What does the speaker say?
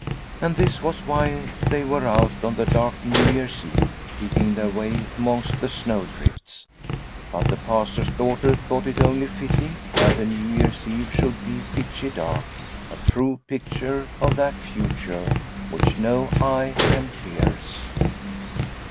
And this was why they were out on that dark New Year's Eve picking their way amongst the snow drifts. But the Pastor's daughter thought it only fitting that a New Year's Eve should be pitchy dark, a true picture of that future which no eye can pierce.